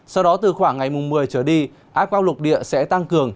sau đó từ khoảng ngày mùng một mươi trở đi áp quang lục địa sẽ tăng cường